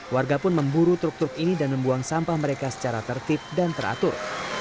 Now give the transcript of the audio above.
warga pun memburu truk truk ini dan membuang sampah mereka secara tertib dan teratur